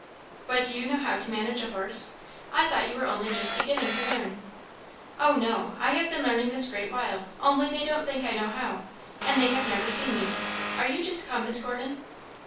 "But do you know how to manage a horse? I thought you were only just beginning to learn." "Oh, no, I have been learning this great while; only they don't think I know how, and they have never seen me. Are you just come, Miss Gordon?"